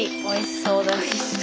おいしそう。